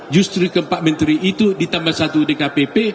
justru keempat menteri itu ditambah satu dkpp